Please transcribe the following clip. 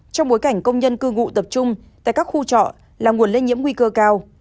trong bối cảnh công nhân cư ngụ tập trung tại các khu trọ là nguồn lây nhiễm nguy cơ cao